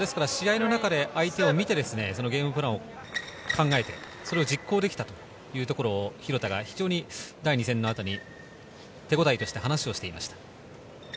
試合の中で相手を見てゲームプランを考えて、それを実行できたというところを廣田が非常に第２戦の後に手応えとして話をしていました。